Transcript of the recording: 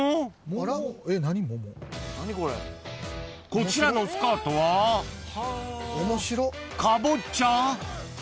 ［こちらのスカートはかぼちゃ？］